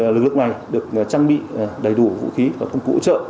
lực lượng này được trang bị đầy đủ vũ khí và công cụ hỗ trợ